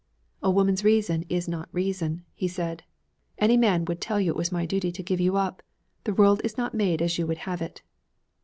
'A woman's reason is not reason,' he said. 'Any man would tell you it was my duty to give you up. The world is not made as you would have it.'